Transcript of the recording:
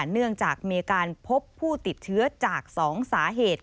เนื่องจากมีการพบผู้ติดเชื้อจาก๒สาเหตุ